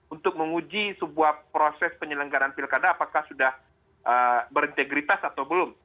untuk menguji sebuah proses penyelenggaran pilkada apakah sudah berintegritas atau belum